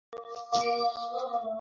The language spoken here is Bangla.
হ্যাঁ, মেহতা, বল?